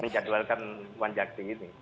menjadwalkan wanjakti ini